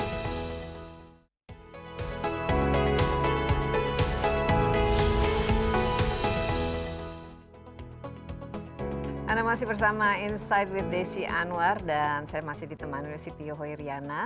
saya masih bersama insight with desi angwar dan saya masih ditemani oleh siti yoho iriana